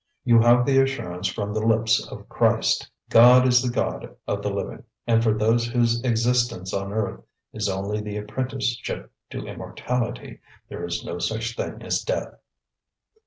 You have the assurance from the lips of Christ: God is the God of the living; and for those whose existence on earth is only the apprenticeship to immortality, there is no such thing as death."